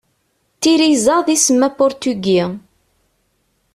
Tiriza d isem apurtugi.